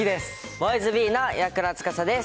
Ｂｏｙｓｂｅの岩倉司です。